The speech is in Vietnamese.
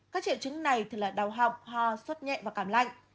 các triệu chứng này là đau họng hoa suốt nhẹ và cảm lạnh